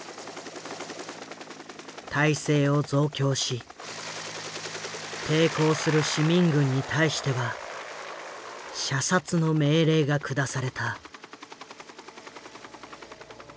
体制を増強し抵抗する市民軍に対しては射殺の命令が下された。